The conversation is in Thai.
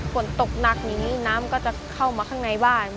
ฝนตกหนักอย่างนี้น้ำก็จะเข้ามาข้างในบ้าน